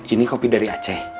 ini kopi dari aceh